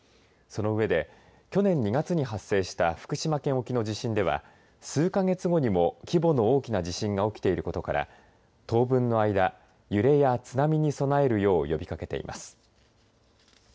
その上で去年２月に発生した福島県沖の地震では数か月後にも規模の大きな地震が起きていることから当分の間揺れや津波に備えるよう呼びかけています。